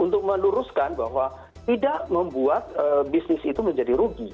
untuk meluruskan bahwa tidak membuat bisnis itu menjadi rugi